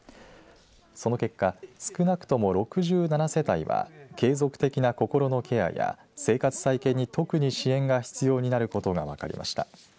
その結果、少なくとも６７世帯は継続的な心のケアや生活再建に特に支援が必要になることが分かりました。